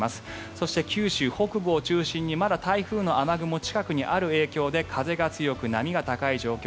そして、九州北部を中心にまだ台風の雨雲近くにある影響で風が強く波が高い状況。